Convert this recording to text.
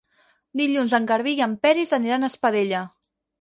Dilluns en Garbí i en Peris aniran a Espadella.